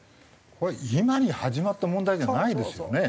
これ今に始まった問題じゃないですよね。